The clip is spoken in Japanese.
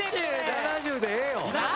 ７０でええよ